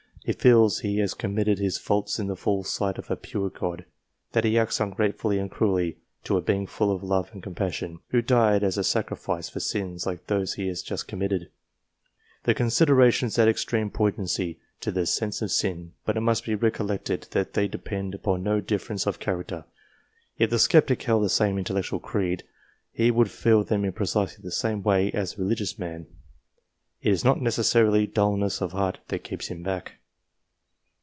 He feels he has committed his faults in the full sight of a pure God ; that he acts ungratefully and cruelly to a Being full of love and com passion, who died as a sacrifice for sins like those he has just committed. These considerations add extreme poignancy to the sense of sin, but it must be recollected that they depend upon no difference of character. If the sceptic held the same intellectual creed, he would feel them in precisely the same way as the religious man. It is not necessarily dulness of heart that keeps him back.